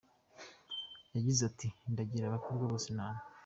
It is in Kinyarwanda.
yagize ati Ndagira abakobwa bose inama.